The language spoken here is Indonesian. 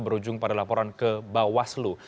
berujung pada laporan ke bawaslu